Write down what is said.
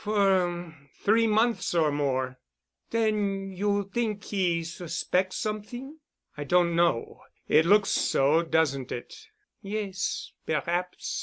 "For—er—three months or more." "Then you t'ink he suspects somet'ing?" "I don't know. It looks so, doesn't it?" "Yes, perhaps."